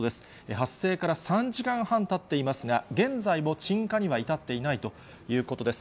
発生から３時間半たっていますが、現在も鎮火には至っていないということです。